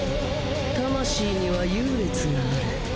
魂には優劣がある。